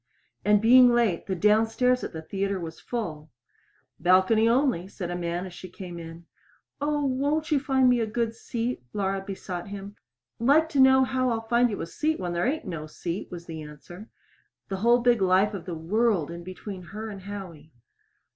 And being late, the downstairs at the theater was full. "Balcony only," said a man as she came in. "Oh, won't you find me a good seat?" Laura besought him. "Like to know how I'll find you a seat when there ain't no seat," was the answer the whole big life of the world in between her and Howie!